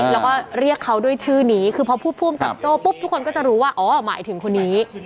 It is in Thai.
แล้วก็เรียกเขาด้วยชื่อนี้คือพอพูดผู้อำกับโจ้ปุ๊บทุกคนก็จะรู้ว่าอ๋อหมายถึงคนนี้